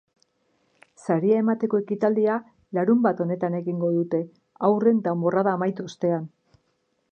Saria emateko ekitaldia larunbat honetan egingo dute, haurren danborrada amaitu ostean.